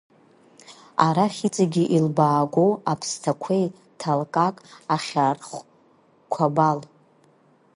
Арахь иҵегьы илбаагоу аԥсҭақәеи Ҭалкак, Ахьархә, Қәабал…